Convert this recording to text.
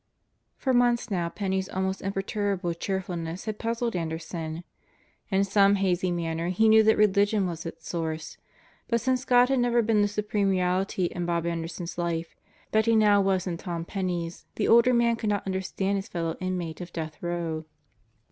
For months now Penney's almost imperturbable cheerfulness had puzzled Anderson. In some hazy manner he knew that religion was its source, but since God had never been the Supreme Christmas Gifts 145 Reality in Bob Anderson's life that He now was in Tom Penney's, the older man could not understand his fellow inmate of Death Row.